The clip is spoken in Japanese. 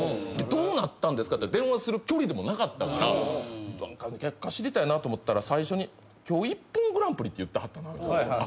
どうなったんですかって電話する距離でもなかったから結果知りたいなと思ったら最初に今日『ＩＰＰＯＮグランプリ』って言ってはったな。